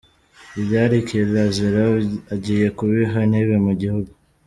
Ibyari kirazira, agiye kubiha intebe mu gihugu.